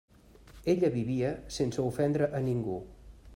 Ella vivia sense ofendre a ningú.